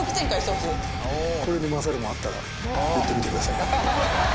これに勝るものあったら言ってみてくださいよ。